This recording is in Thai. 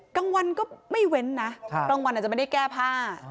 กลางวันก็ไม่เว้นนะกลางวันอาจจะไม่ได้แก้ผ้า